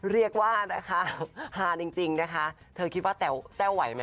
เรียกว่านะคะฮาจริงนะคะเธอคิดว่าแต้วไหวไหม